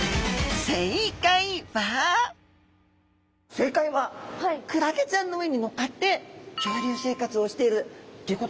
正解はクラゲちゃんの上に乗っかって漂流生活をしてるっていうことなんですね。